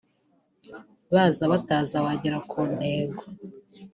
baza bataza wagera ku ntego